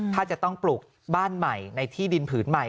ถ้าจะต้องปลูกบ้านใหม่ในที่ดินผืนใหม่